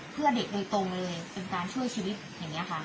เพื่อเด็กโดยตรงเลยเป็นการช่วยชีวิตอย่างนี้ค่ะ